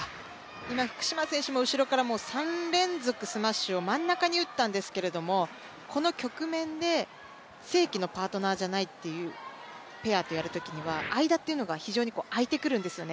今、福島選手も後ろから３連続スマッシュを真ん中に打ったんですがこの局面で正規のパートナーじゃないっていうペアとやるときっていうのは間っていうのが、非常に空いてくるんですよね。